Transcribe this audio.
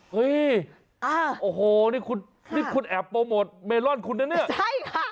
เฮ้ยโอ้โหนี่คุณแอบโปรโมทเมลอนคุณน่ะนี่ใช่ค่ะ